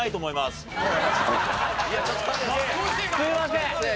すいません！